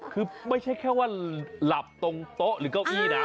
คือไม่ใช่แค่ว่าหลับตรงโต๊ะหรือเก้าอี้นะ